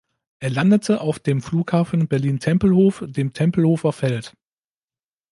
Er landete auf dem Flughafen Berlin-Tempelhof, dem Tempelhofer Feld.